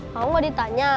mau gak ditanya